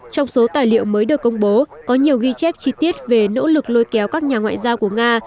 trong số tài liệu mới được công bố có nhiều ghi chép chi tiết về nỗ lực lôi kéo các nhà ngoại giao của nga